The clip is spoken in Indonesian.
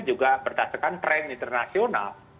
juga berdasarkan tren internasional